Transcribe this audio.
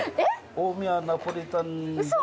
大宮ナポリタンで嘘！？